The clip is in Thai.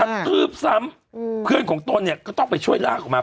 ทืบซ้ำเพื่อนของตนเนี่ยก็ต้องไปช่วยลากออกมา